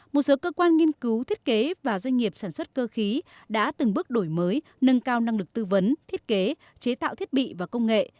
một số cơ quan nghiên cứu thiết kế và doanh nghiệp sản xuất cơ khí đã từng bước đổi mới nâng cao năng lực tư vấn thiết kế chế tạo thiết bị và công nghệ